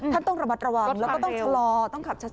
ต้องระมัดระวังแล้วก็ต้องชะลอต้องขับชัด